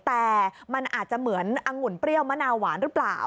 แต่มันอาจจะเหมือนอังุ่นเปรี้ยวมะนาวหวานหรือเปล่า